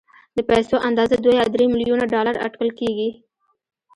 د پيسو اندازه دوه يا درې ميليونه ډالر اټکل کېږي.